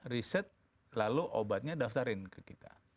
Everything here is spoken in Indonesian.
riset lalu obatnya daftarin ke kita